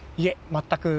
全く？